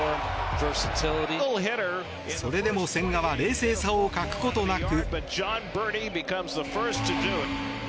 それでも千賀は冷静さを欠くことなく。